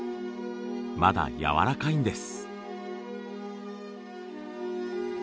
まだやわらかいんです。